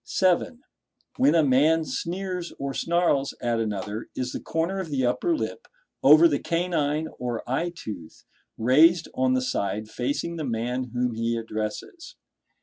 (7.) When a man sneers or snarls at another, is the corner of the upper lip over the canine or eye tooth raised on the side facing the man whom he addresses?